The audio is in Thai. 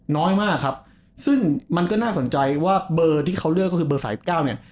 น้อยมากครับซึ่งมันก็น่าสนใจว่าเบอร์ที่เขาเลือกก็คือเบอร์๓๙เนี่ย